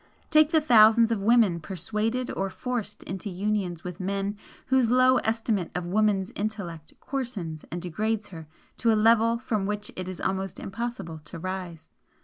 Take the thousands of women persuaded or forced into unions with men whose low estimate of woman's intellect coarsens and degrades her to a level from which it is almost impossible to rise!